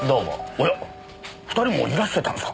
おや２人もいらしてたんですか？